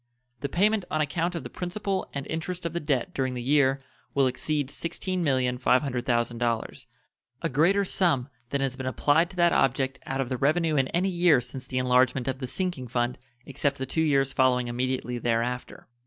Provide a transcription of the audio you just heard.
The payment on account of the principal and interest of the debt during the year will exceed $16,500,000, a greater sum than has been applied to that object out of the revenue in any year since the enlargement of the sinking fund except the two years following immediately there after.